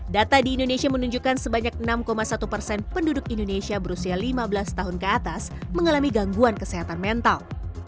data di indonesia menunjukkan sebanyak enam satu persen penduduk indonesia berusia lima belas tahun ke atas mengalami gangguan kesehatan mental